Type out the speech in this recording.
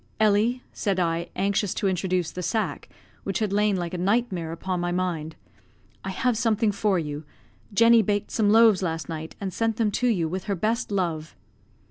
"Ellie," said I, anxious to introduce the sack, which had lain like a nightmare upon my mind, "I have something for you; Jenny baked some loaves last night, and sent them to you with her best love."